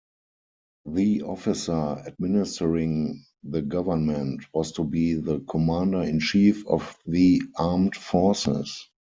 The "Officer Administering the Government" was to be the Commander-In-Chief of the Armed Forces.